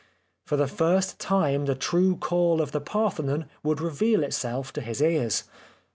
For the first time the true call of the Parthenon would reveal itself to his ears.